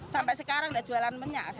sampai sekarang gak jualan minyak saya